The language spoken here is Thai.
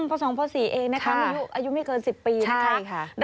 พ๒ป๔เองนะคะอายุไม่เกิน๑๐ปีนะคะ